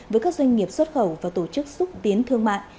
với các doanh nghiệp xuất khẩu và tổ chức xúc tiến thương mại